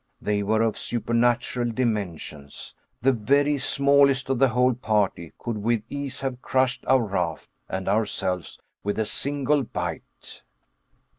They were of supernatural dimensions; the very smallest of the whole party could with ease have crushed our raft and ourselves with a single bite.